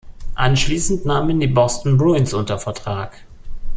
Anschließend nahmen ihn die Boston Bruins unter Vertrag.